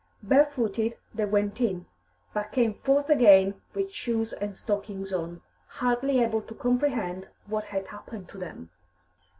Bare footed they went in, but came forth again with shoes and stockings on, hardly able to comprehend what had happened to them.